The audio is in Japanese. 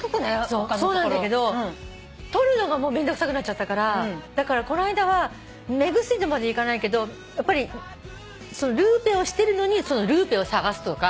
そうなんだけど取るのがもうめんどくさくなっちゃったからだからこの間は目薬とまではいかないけどやっぱりルーペをしてるのにルーペを捜すとか。